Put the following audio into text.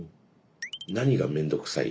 何が面倒くさい？